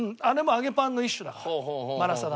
あれも揚げパンの一種だから。